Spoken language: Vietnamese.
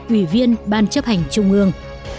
ủy viên ban chấp hành trung gương